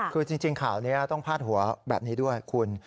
คือจริงข่าวนี้ต้องพาดหัวแบบนี้ด้วยคุณ